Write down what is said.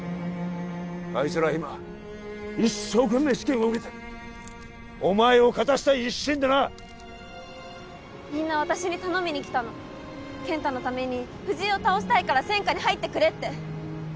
あいつら今一生懸命試験を受けてるお前を勝たせたい一心でなみんな私に頼みに来たの健太のために藤井を倒したいから専科に入ってくれって